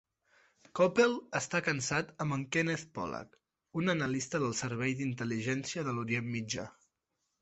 Koppel està casat amb Kenneth Pollack, un analista del servei d'intel·ligència de l'Orient Mitjà.